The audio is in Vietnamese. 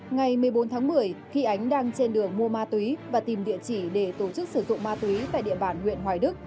ngày một mươi bốn tháng một mươi khi ánh đang trên đường mua ma túy và tìm địa chỉ để tổ chức sử dụng ma túy tại địa bàn huyện hoài đức